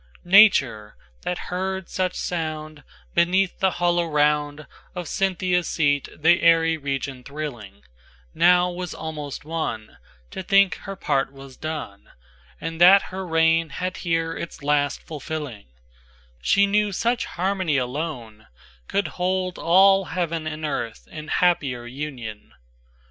XNature, that heard such soundBeneath the hollow roundOf Cynthia's seat the airy Region thrilling, Now was almost wonTo think her part was done, And that her reign had here its last fulfilling:She knew such harmony aloneCould hold all Heaven and Earth in happier union.